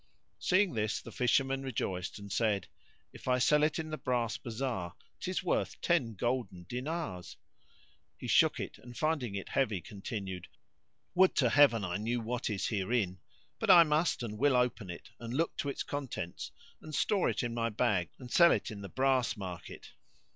Seeing this the Fisherman rejoiced and said, "If I sell it in the brass bazar 'tis worth ten golden dinars." He shook it and finding it heavy continued, "Would to Heaven I knew what is herein. But I must and will open it and look to its contents and store it in my bag and sell it in the brass market."